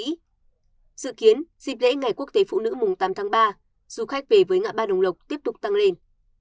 dự kiến dịp lễ ngày quốc tế phụ nữ mùng tám tháng ba du khách về với ngã ba đồng lộc tiếp tục tăng lên